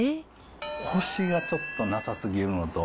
こしがちょっとなさすぎるのと。